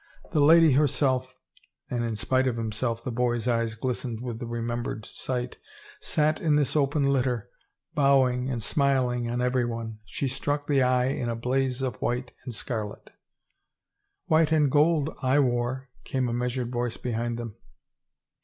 The lady herself —" and in spite of himself the boy's eyes glistened with the remembered sight, " sat in this open litter, bowing and smiling on every one. She struck the eye in a blaze of white and scar let —"" White and gold / wore," came a measured voice behind them.